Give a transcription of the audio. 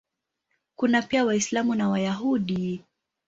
Kuna pia Waislamu na Wayahudi.